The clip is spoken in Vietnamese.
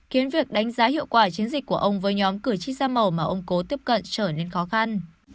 khiến việc đánh giá hiệu quả chiến dịch của ông với nhóm cử tri sa màu mà ông cố tiếp cận trở nên khó khăn